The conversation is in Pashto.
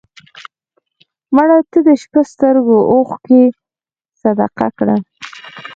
مړه ته د شپه سترګو اوښکې صدقه کړه